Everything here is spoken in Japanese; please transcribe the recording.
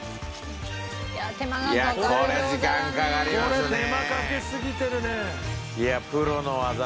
これ手間かけすぎてるね。